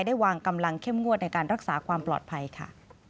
ได้วางกำลังเข้มงวดในการรักษาความปลอดภัยค่ะ